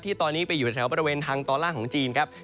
ตอนนี้ไปอยู่แถวบริเวณทางตอนล่างของจีนครับ